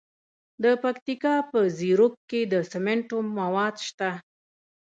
د پکتیکا په زیروک کې د سمنټو مواد شته.